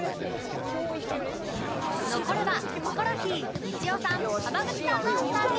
残るはヒコロヒーみちおさん浜口さんの３人